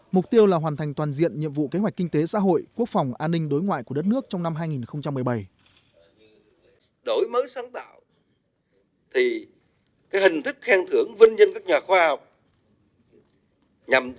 mục tiêu là hoàn thành toàn diện nhiệm vụ kế hoạch kinh tế xã hội quốc phòng an ninh đối ngoại của đất nước trong năm hai nghìn một mươi bảy